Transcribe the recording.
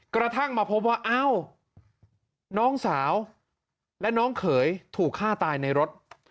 กระทั่งมาพบว่าอ้าวน้องสาวและน้องเขยถูกฆ่าตายในรถ